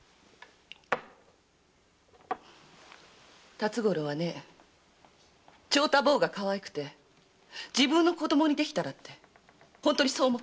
辰五郎は長太坊がかわいくて自分の子供にできたらって本当にそう思ってる。